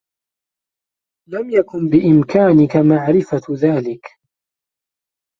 لم يكن بإمكانك معرفة ذلك.